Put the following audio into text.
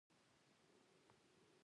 توازن د احساس او فکر تر منځ دی.